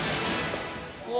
うわ。